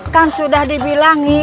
karena sudah dibilang